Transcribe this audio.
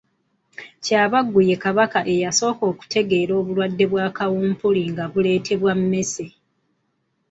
Kyabaggu ye Kabaka eyasooka okutegeera obulwadde bwa kawumpuli nga buleetebwa mmese.